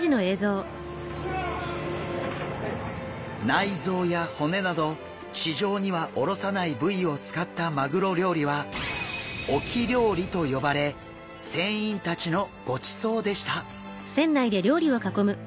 内臓や骨など市場には卸さない部位を使ったマグロ料理は沖料理と呼ばれ船員たちのごちそうでした。